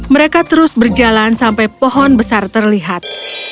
mereka terus berjalan sampai pohon besar terlihat